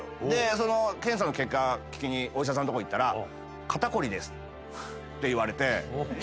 でその検査の結果聞きにお医者さんとこ行ったら。って言われて。